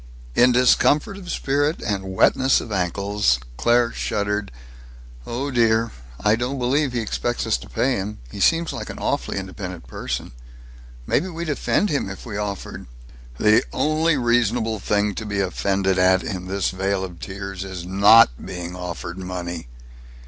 In discomfort of spirit and wetness of ankles Claire shuddered, "Oh dear, I don't believe he expects us to pay him. He seems like an awfully independent person. Maybe we'd offend him if we offered " "The only reasonable thing to be offended at in this vale of tears is not being offered money!"